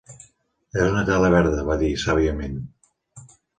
"És una tela verda", va dir, sàviament.